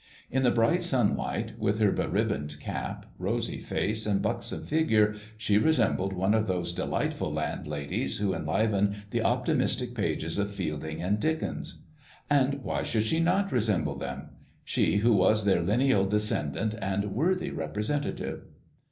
In the bright sunlight, with her be ribboned cap, rosy face, and buxom figure, she resembled one of those delightful landladies who enliven the optimistic pages of Fielding and Dickens. And why should she not resemble them] she who was their lineal descendant and worthy representative.